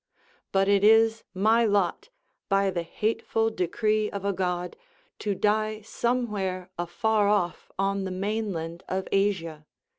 But it is my lot, by the hateful decree of a god, to die somewhere afar off on the mainland of Asia.